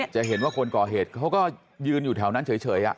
จะเห็นว่าคนก่อเหตุเขาก็ยืนอยู่แถวนั้นเฉย